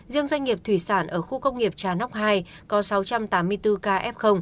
riêng doanh nghiệp thủy sản ở khu công nghiệp trà nóc hai có sáu trăm tám mươi bốn kf